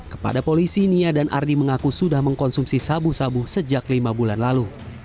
kepada polisi nia dan ardi mengaku sudah mengkonsumsi sabu sabu sejak lima bulan lalu